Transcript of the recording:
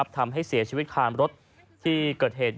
ทำให้เสียชีวิตคามรถที่เกิดเหตุ